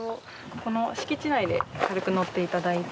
この敷地内で軽く乗っていただいて。